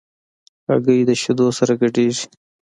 هګۍ د شیدو سره ګډېږي.